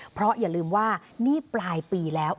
เพราะอย่าลืมว่านี่ปลายปีแล้ว